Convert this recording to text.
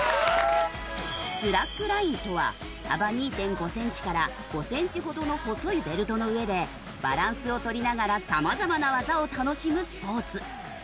スラックラインとは幅２．５センチから５センチほどの細いベルトの上でバランスをとりながら様々な技を楽しむスポーツ。